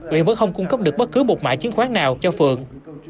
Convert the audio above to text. uyển vẫn không cung cấp được bất cứ một mả chứng khoán nào cho phượng